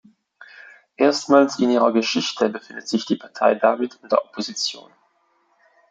Erstmals in ihrer Geschichte befindet sich die Partei damit in der Opposition.